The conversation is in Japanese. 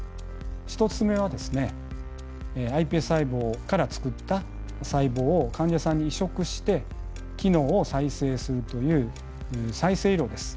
１つ目はですねｉＰＳ細胞からつくった細胞を患者さんに移植して機能を再生するという再生医療です。